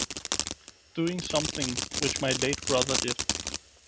Doing something which my late brother did.